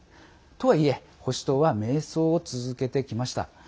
とはいえ、保守党は迷走を続けてきました。